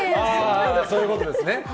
そういうことですね。